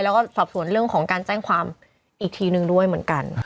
แล้วก็สอบสวนเรื่องของการแจ้งความอีกทีนึงด้วยเหมือนกัน